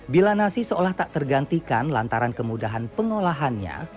bila nasi seolah tak tergantikan lantaran kemudahan pengolahannya